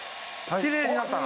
きれいになったな。